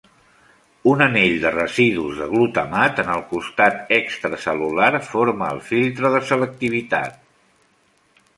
Un anell de residus de glutamat en el costat extracel·lular forma el filtre de selectivitat.